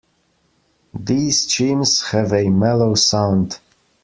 These chimes have a mellow sound.